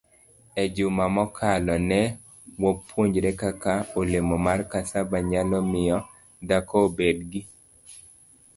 E juma mokalo, ne wapuonjore kaka olemo mar cassava nyalo miyo dhako obed gi